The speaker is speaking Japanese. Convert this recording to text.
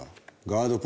ガード